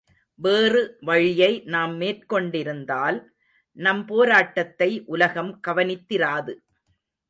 வேறு வழியை நாம் மேற்கொண்டிருந்தால், நம் போராட்டத்தை உலகம் கவனித்திராது.